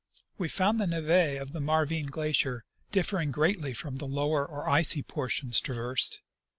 We found the neve of the Marvine glacier differing greatly from the loAver or icy portion previously traversed.